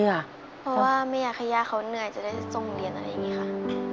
เพราะว่าไม่อยากให้ย่าเขาเหนื่อยจะได้ส่งเรียนอะไรอย่างนี้ค่ะ